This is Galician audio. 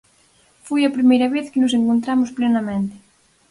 Foi a primeira vez que nos encontramos plenamente.